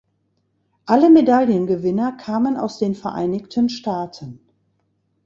Alle Medaillengewinner kamen aus den Vereinigten Staaten.